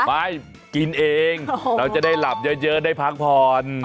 ไม่กินเองเราจะได้หลับเยอะได้พักผ่อน